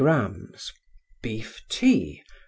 20 grammes Beef Tea .